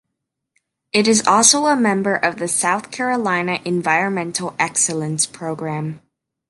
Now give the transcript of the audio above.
It is also a member of the South Carolina Environmental Excellence Program.